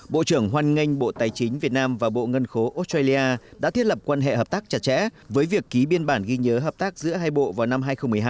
bộ trưởng hoan nghênh bộ tài chính việt nam và bộ ngân khố australia đã thiết lập quan hệ hợp tác chặt chẽ với việc ký biên bản ghi nhớ hợp tác giữa hai bộ vào năm hai nghìn một mươi hai